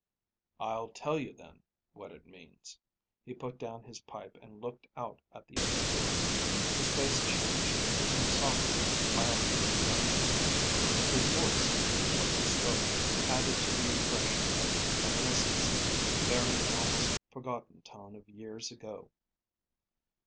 "I'll tell you, then, what it means." He put down his pipe and looked out at the open door. His face changed; became softer, milder, younger. His voice, when he spoke, added to the impression of reminiscence, bearing an almost forgotten tone of years ago.